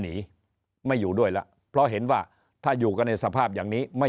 หนีไม่อยู่ด้วยแล้วเพราะเห็นว่าถ้าอยู่กันในสภาพอย่างนี้ไม่